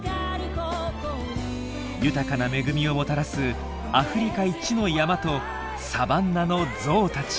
豊かな恵みをもたらすアフリカ一の山とサバンナのゾウたち。